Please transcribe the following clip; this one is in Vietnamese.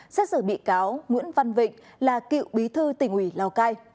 xét xử bị cáo nguyễn văn vịnh là cựu bí thư tỉnh ủy lào cai